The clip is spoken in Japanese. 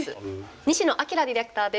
西野晶ディレクターです